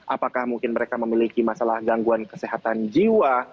apakah mungkin mereka memiliki masalah gangguan kesehatan jiwa